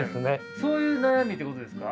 そういう悩みってことですか？